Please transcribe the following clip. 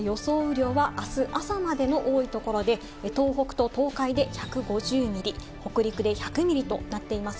雨量はあす朝までの多いところで東北と東海で１５０ミリ、北陸で１００ミリとなっています。